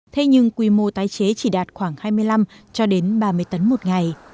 thế nhưng quy mô tái chế chỉ đạt khoảng hai mươi năm cho đến ba mươi tấn một ngày